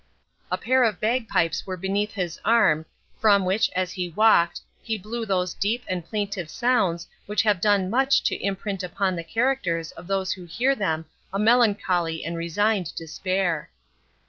A pair of bagpipes were beneath his arm, from which, as he walked, he blew those deep and plaintive sounds which have done much to imprint upon the characters of those who hear them a melancholy and resigned despair.